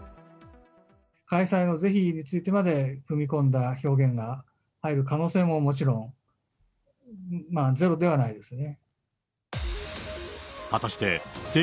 開催の是非についてまで踏み込んだ表現が入る可能性ももちろんゼロではないですよね。